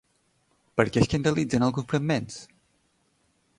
Per què escandalitzen alguns fragments?